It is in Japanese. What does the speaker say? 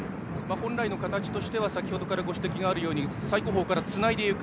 本来の形としてはご指摘があるように最後方からつないでいく。